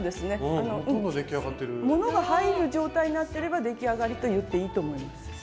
物が入る状態になってれば出来上がりと言っていいと思います。